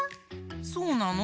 そうなの？